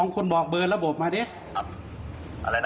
คนบอกเบอร์ระบบมาดิ